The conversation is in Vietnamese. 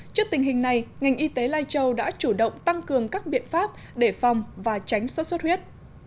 trước tình hình này ngành y tế lai châu đã chủ động tăng cường các biện pháp để phòng và tránh sốt xuất huyết